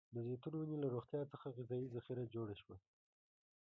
د زیتون ونې له روغتيا څخه غذايي ذخیره جوړه شوه.